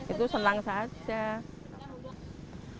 itu selang saja itu selang saja